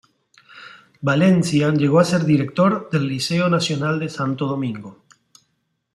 Valencia llegó a ser director del Liceo Nacional de Santo Domingo.